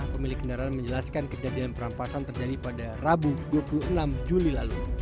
pemilik kendaraan menjelaskan kejadian perampasan terjadi pada rabu dua puluh enam juli lalu